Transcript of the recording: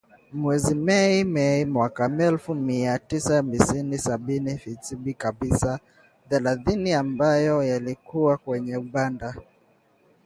Mwezi Mei, mwaka elfu moja mia tisa sitini na mbili kwa matangazo ya dakika thelathini ambayo yalikuwa yamerekodiwa kwenye ukanda.